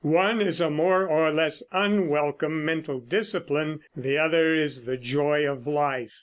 One is a more or less unwelcome mental discipline; the other is the joy of life.